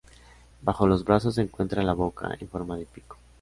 Bajo los brazos se encuentra la boca, en forma de pico.